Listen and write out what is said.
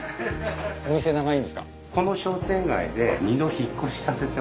お店長いんですか？